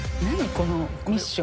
このミッション。